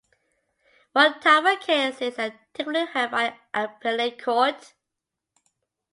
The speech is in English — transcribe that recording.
What types of cases are typically heard by an appellate court?